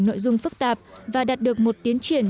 nội dung phức tạp và đạt được một tiến triển